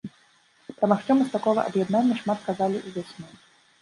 Пра магчымасць такога аб'яднання шмат казалі ўвесну.